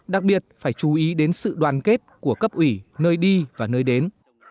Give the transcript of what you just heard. đặc biệt phải chú ý đến sự đoàn kết của cấp ủy nơi đi và nơi đến